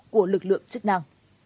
của lực lượng chức năng